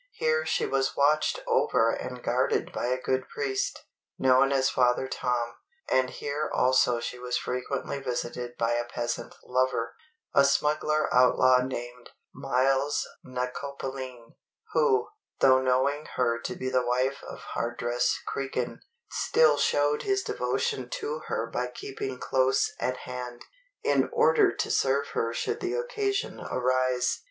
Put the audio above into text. Here she was watched over and guarded by a good priest, known as Father Tom; and here also she was frequently visited by a peasant lover, a smuggler outlaw named Myles na Coppaleen, who, though knowing her to be the wife of Hardress Cregan, still showed his devotion to her by keeping close at hand, in order to serve her should the occasion arise.